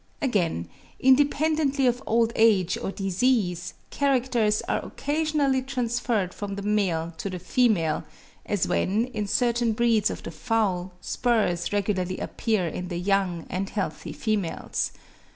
Again, independently of old age or disease, characters are occasionally transferred from the male to the female, as when, in certain breeds of the fowl, spurs regularly appear in the young and healthy females.